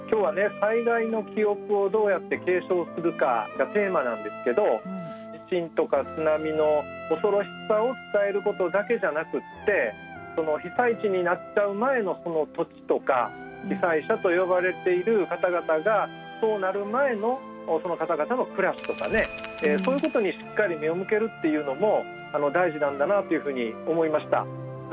災害の記憶をどうやって継承するかがテーマなんですけど地震とか津波の恐ろしさを伝えることだけじゃなくって被災地になっちゃう前のその土地とか被災者と呼ばれている方々がそうなる前のその方々の暮らしとかねそういうことにしっかり目を向けるっていうのも大事なんだなというふうに思いました。